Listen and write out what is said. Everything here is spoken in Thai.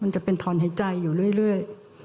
มันจะเป็นถอนหายใจอยู่เรื่อย